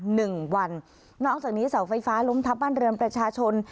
หนึ่งวันนอกจากนี้เสาไฟฟ้าล้มทับบ้านเรือนประชาชน